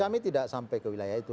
kami tidak sampai ke wilayah itu